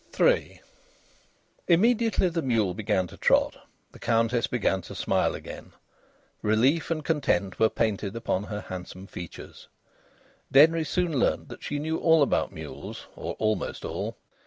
III Immediately the mule began to trot the Countess began to smile again. Relief and content were painted upon her handsome features. Denry soon learnt that she knew all about mules or almost all.